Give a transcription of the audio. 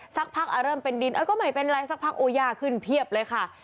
สักพักเริ่มเป็นดินก็ไม่เป็นไรสักพักโอย่าขึ้นเพียบเลยค่ะ